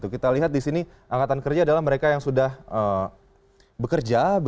kita lihat di sini angkatan kerja adalah mereka yang sudah bekerja